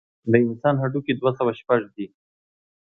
د انسان هډوکي دوه سوه شپږ دي.